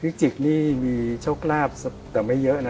จิกนี่มีโชคลาภแต่ไม่เยอะนะ